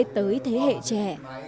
tới thế hệ trẻ